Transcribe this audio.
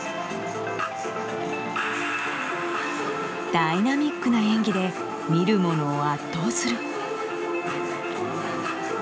ダイナミックな演技で見る者を圧倒する。